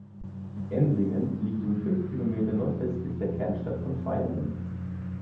Ensingen liegt rund fünf Kilometer nordwestlich der Kernstadt von Vaihingen.